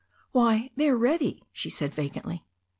"Why, they are ready," she said vacantly.